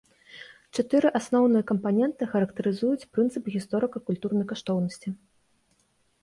Чатыры асноўныя кампаненты характарызуюць прынцып гісторыка-культурнай каштоўнасці.